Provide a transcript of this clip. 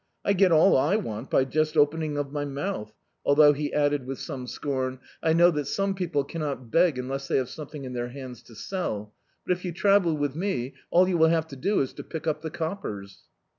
I get all I want by just opening of my mouth," although he iCtzedbvGoOJ^IC ' Gridling added with sane scorn, "I know that scnne people cannot beg unless they have something in their hands to sell. But if you travel with me, all you will have to do is to pick up the coppers."